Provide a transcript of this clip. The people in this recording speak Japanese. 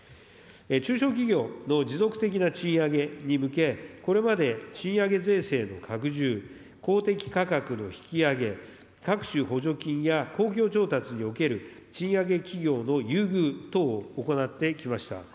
中小企業の持続的な賃上げに向け、これまで賃上げ税制の拡充、公的価格の引き上げ、各種補助金や公共調達における賃上げ企業の優遇等を行ってきました。